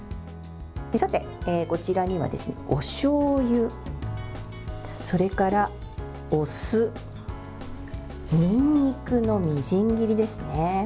さて、こちらにはおしょうゆそれからお酢にんにくのみじん切りですね。